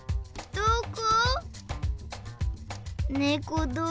どこ？